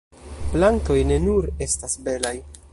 Plantoj ne nur estas belaj.